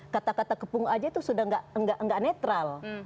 kata kata kepung aja itu sudah tidak netral